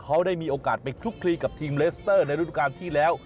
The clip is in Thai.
เขาได้มีโอกาสไปคลุกคลีกับทีมเลสเตอร์ในฤดูการที่แล้ว